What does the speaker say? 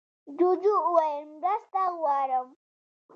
جوجو وویل مرسته غواړم.